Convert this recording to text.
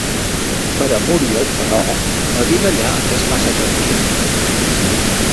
Per a Muriel però, la vida allà és massa tranquil·la.